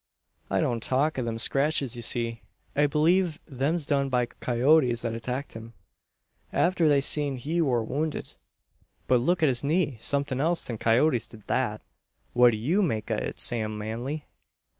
I don't talk o' them scratches ye see; I believe them's done by coyoats that attackted him, arter they see'd he wur wownded. But look at his knee Somethin' else than coyoats did that. What do you make o' it, Sam Manly?"